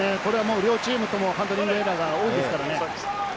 両チーム、ハンドリングエラーが多いですね。